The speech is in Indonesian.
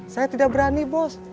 saya tidak berani bos